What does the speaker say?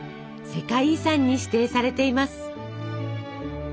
世界遺産に指定されています。